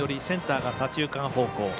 センターが左中間方向。